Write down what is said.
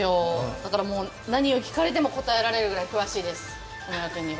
だからもう、何を聞かれても答えられるぐらい詳しいです。